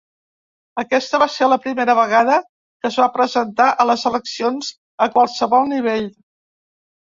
Aquesta va ser la primera vegada que es va presentar a les eleccions a qualsevol nivell.